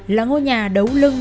là ngôi nhà đấu lưng